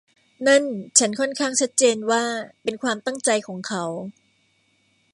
นั่นฉันค่อนข้างชัดเจนว่าเป็นความตั้งใจของเขา